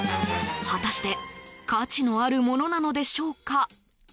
果たして価値のあるものなのでしょうか？